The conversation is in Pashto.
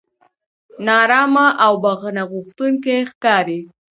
نا ارامه او بښنه غوښتونکي ښکاري.